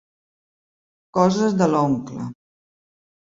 Coses de l'oncle!